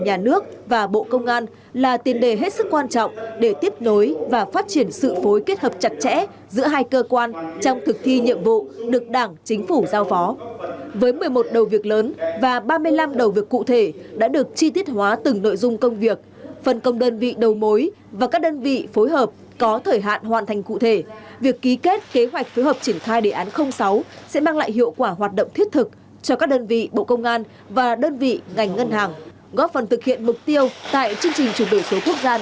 góp phần thực hiện mục tiêu tại chương trình chuyển đổi số quốc gia nói chung cũng như chuyển đổi số ngân hàng nói riêng